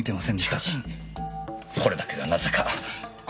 しかしこれだけがなぜかこうでした。